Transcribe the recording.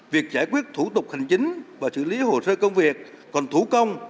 việc giải quyết thủ tục hành chính và xử lý hồ sơ công việc còn thủ công